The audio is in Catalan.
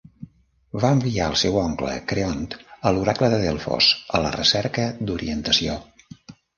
Va enviar el seu oncle, Creont, a l'Oracle de Delfos, a la recerca d'orientació.